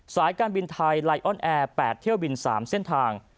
สายการบินไทยไลออนแอร์๘เที่ยวบิน๓เส้นทาง